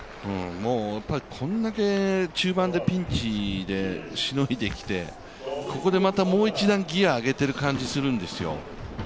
こんだけ中盤でピンチをしのいできて、ここでまたもう一段ギヤを上げている感じがするんですよ。